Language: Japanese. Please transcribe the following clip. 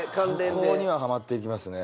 そこにはハマっていきますね。